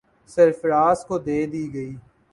سرفراز کو دے دی گئی۔